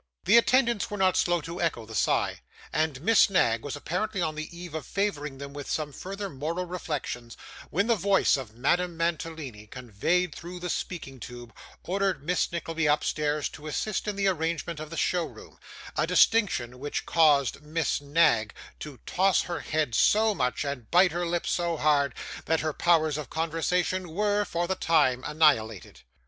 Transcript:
The attendants were not slow to echo the sigh, and Miss Knag was apparently on the eve of favouring them with some further moral reflections, when the voice of Madame Mantalini, conveyed through the speaking tube, ordered Miss Nickleby upstairs to assist in the arrangement of the show room; a distinction which caused Miss Knag to toss her head so much, and bite her lips so hard, that her powers of conversation were, for the time, annihilated.